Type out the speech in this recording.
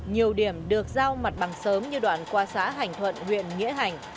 nhiều điểm được giao mặt bằng sớm như đoạn qua xã hành thuận huyện nghĩa hành